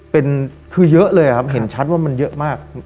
เป็นคือเยอะเลยครับเห็นชัดว่ามันเยอะมาก